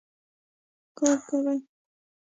کار کوي